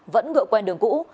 vẫn ngựa quen đường cũ